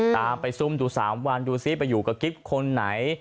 ตามไปซุ่มดู๓วันดูซิไปอยู่กับกิฟต์คนไหน